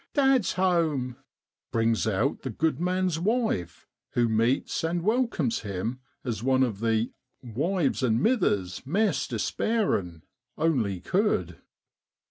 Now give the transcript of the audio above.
1 Dad's home!' brings out the good man's wife, who meets and welcomes him as one of the ' wives and mithers maist despairin' ' only could.